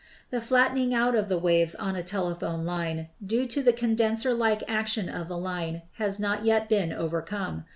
The flattening out of the waves on a telephone line due to the condenser like action of the line has not yet been over come.